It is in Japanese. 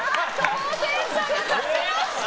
挑戦者が勝ちました！